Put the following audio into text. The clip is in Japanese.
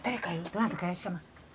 どなたかいらっしゃいます。